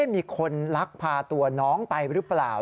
มีคนลักพาตัวน้องไปหรือเปล่า